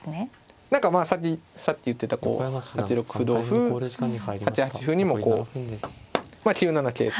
何かまあさっき言ってたこう８六歩同歩８八歩にもこうまあ９七桂と。